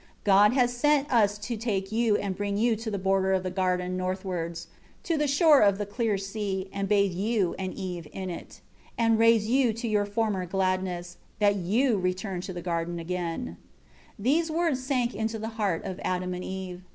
5 God has sent us to take you and bring you to the border of the garden northwards; to the shore of the clear sea, and bathe you and Eve in it, and raise you to your former gladness, that you return again to the garden." 6 These words sank into the heart of Adam and Eve.